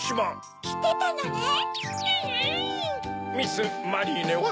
ミス・マリーネは？